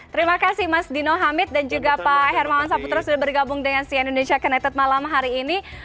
terima kasih mas dino hamid dan juga pak hermawan saputra sudah bergabung dengan cn indonesia connected malam hari ini